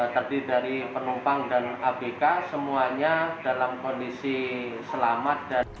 terdiri dari penumpang dan abk semuanya dalam kondisi selamat